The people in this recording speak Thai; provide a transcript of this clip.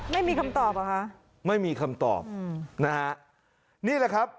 ไม่มีคำตอบเหรอคะไม่มีคำตอบอืมนะฮะนี่แหละครับ